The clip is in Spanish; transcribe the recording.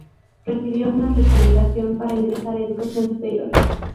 Recibió una recomendación para ingresar a educación superior.